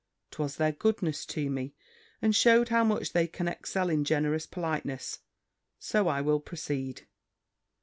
'Twas their goodness to me, and shewed how much they can excel in generous politeness. So I will proceed.